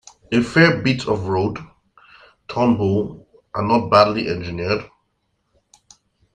A fair bit of road, Turnbull, and not badly engineered.